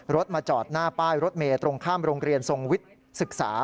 มาจอดหน้าป้ายรถเมย์ตรงข้ามโรงเรียนทรงวิทย์ศึกษา